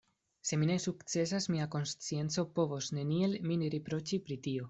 Se mi ne sukcesas, mia konscienco povos neniel min riproĉi pri tio.